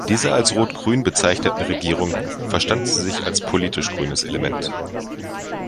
In dieser als Rot-Grün bezeichneten Regierung verstand sie sich als politisch grünes Element.